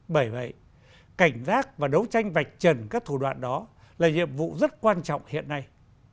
bởi vậy cảnh giác và đấu tranh vạch trần các thủ đoạn đó là nhiệm vụ rất quan trọng hiện nay